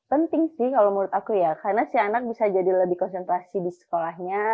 penting sih kalau menurut aku ya karena si anak bisa jadi lebih konsentrasi di sekolahnya